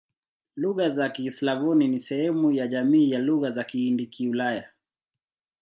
Lugha za Kislavoni ni sehemu ya jamii ya Lugha za Kihindi-Kiulaya.